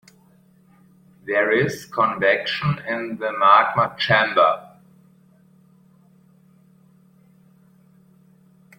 There is convection in the magma chamber.